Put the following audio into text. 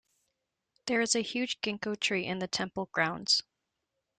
There is a huge Ginkgo tree in the temple grounds.